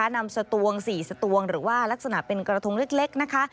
นำสะตวงสีสะตวงหรือว่ารักษณะเป็นกระทงเล็ก